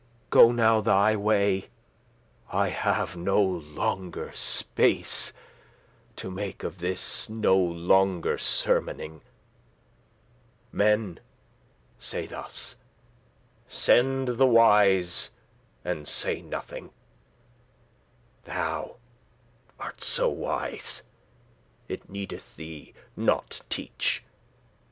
Go now thy way, I have no longer space To make of this no longer sermoning: Men say thus: Send the wise, and say nothing: Thou art so wise, it needeth thee nought teach.